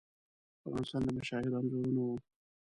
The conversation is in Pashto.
د افغانستان د مشاهیرو انځورونه وو.